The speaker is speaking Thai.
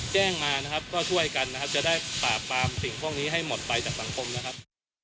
แจ้งมานะครับก็ช่วยกันนะครับจะได้ปราบปรามสิ่งพวกนี้ให้หมดไปจากสังคมนะครับ